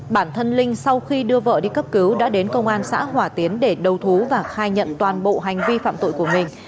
bản thân linh sau khi đưa vợ đi cấp cứu đã đến công an xã hòa tiến để đầu thú và khai nhận toàn bộ hành vi phạm tội của mình